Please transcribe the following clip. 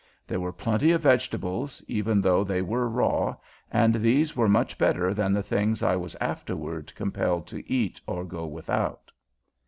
There were plenty of vegetables, even though they were raw, and these were much better than the things I was afterward compelled to eat or go without.